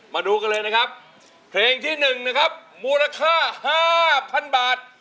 มาดูกันเลยนะครับเพลงที่๑นะครับมูลค่า๕๐๐๐บาท